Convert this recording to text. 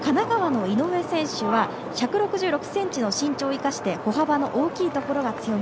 そして神奈川の井上選手は１６６ｃｍの身長を生かして歩幅の大きいところが強み。